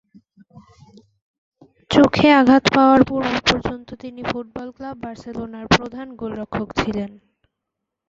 চোখে আঘাত পাওয়ার পূর্ব পর্যন্ত তিনি ফুটবল ক্লাব বার্সেলোনার প্রধান গোলরক্ষক ছিলেন।